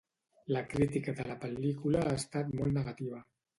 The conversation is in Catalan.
La crítica de la pel·lícula ha estat molt negativa.